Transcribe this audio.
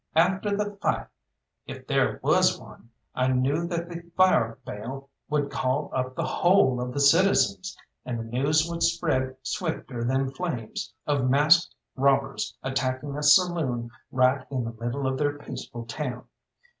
After the fight, if there was one, I knew that the fire bell would call up the whole of the citizens, and the news would spread swifter than flames, of masked robbers attacking a saloon right in the middle of their peaceful town.